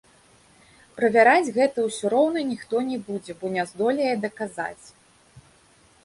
Правяраць гэта ўсё роўна ніхто не будзе, бо не здолее даказаць.